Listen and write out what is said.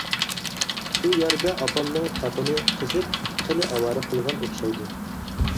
شۇ يەردە ئاپامنىڭ تاپىنى قىزىپ خېلى ئاۋارە قىلغان ئوخشايدۇ.